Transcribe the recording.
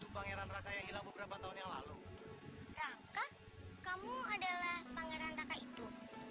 pangeran raka yang hilang beberapa tahun yang lalu raka kamu adalah pangeran raka itu